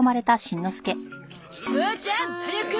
父ちゃん早く！